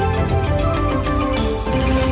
ตอนต่อไป